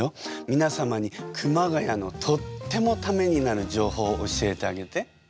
みなさまに熊谷のとってもタメになる情報教えてあげて。